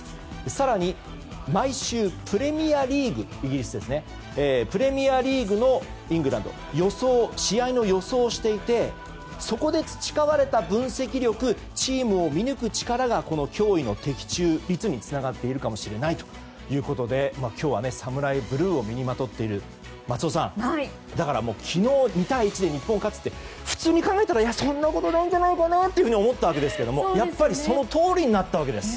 更に、毎週イギリスのプレミアリーグ試合の予想をしていてそこで培われた分析力チームを見抜く力がこの驚異の的中率につながっているかもしれないということで今日はサムライブルーを身にまとっている松尾さん、昨日２対１で日本が勝つって普通に考えたらそんなことないんじゃないかなと思ったわけですがそのとおりになったわけです。